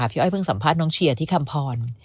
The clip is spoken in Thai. พี่อ้อยเพิ่งสัมภาษณ์น้องเชียร์ที่คำพร